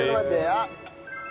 あっ。